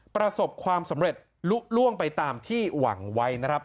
ประสบความสำเร็จลุล่วงไปตามที่หวังไว้นะครับ